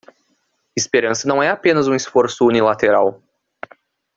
Esperança não é apenas um esforço unilateral